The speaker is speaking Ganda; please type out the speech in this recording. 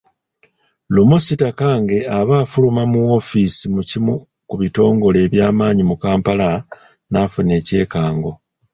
Lumu Sitakange aba afuluma mu woofiisi mu kimu ku bitongole eby’amaanyi mu Kampala n'afuna ekyekango.